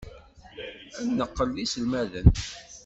Ad neqqel d iselmaden.